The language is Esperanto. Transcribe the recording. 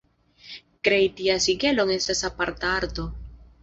Krei tian sigelon estas aparta arto.